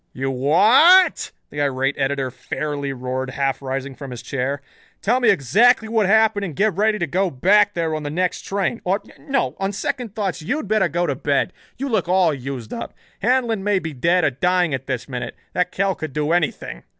"You wha a t?" the irate editor fairly roared, half rising from his chair. "Tell me exactly what happened and get ready to go back there on the next train. Or no, on second thoughts you'd better go to bed. You look all used up. Handlon may be dead or dying at this minute. That Kell could do anything."